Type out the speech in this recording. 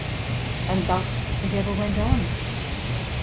And thus it ever went on.